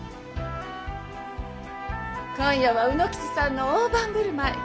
今夜は卯之吉さんの大盤ぶるまい。